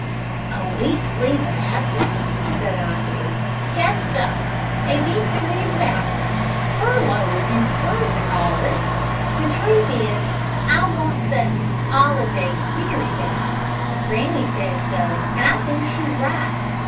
"A week's leave of absence?" said I. "Just so a veek's leave of absence furlow if you prefers to call it so. The truth is, I wants a 'oliday wery bad. Granny says so, an' I thinks she's right.